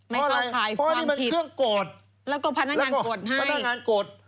ไม่เข้าขายความผิดแล้วก็พนักงานกดให้พนักงานกด